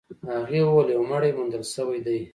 هغې وويل يو مړی موندل شوی دی.